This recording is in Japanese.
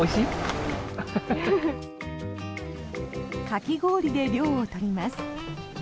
かき氷で涼を取ります。